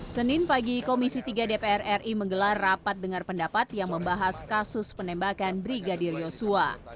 senin pagi komisi tiga dpr ri menggelar rapat dengar pendapat yang membahas kasus penembakan brigadir yosua